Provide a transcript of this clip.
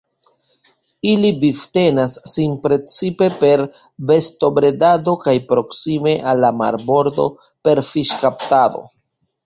Ili vivtenas sin precipe per bestobredado kaj proksime al la marbordo per fiŝkaptado.